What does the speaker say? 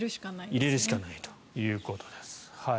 入れるしかないということです。